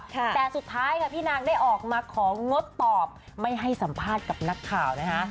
แต่สุดท้ายค่ะพี่นางได้ออกมาของงดตอบไม่ให้สัมภาษณ์กับนักข่าวนะคะ